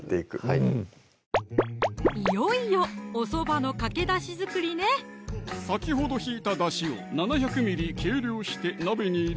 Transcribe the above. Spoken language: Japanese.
いよいよおそばのかけだし作りね先ほど引いただしを７００計量して鍋に入れ